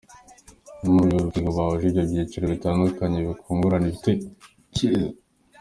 Ni muri urwo rwego bahuje ibyo byiciro bitandukanye bikungurana ibitekerezo.